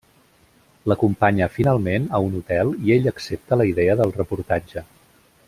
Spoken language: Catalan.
L'acompanya finalment a un hotel i ella accepta la idea del reportatge.